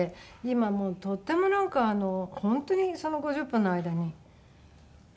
今もうとってもなんか本当にその５０分の間にすごく良くなって。